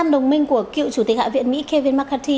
bốn mươi năm đồng minh của cựu chủ tịch hạ viện mỹ kevin mccarthy